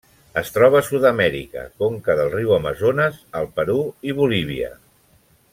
Es troba a Sud-amèrica: conca del riu Amazones al Perú i Bolívia.